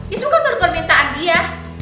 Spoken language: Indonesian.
itu kan permintaan dia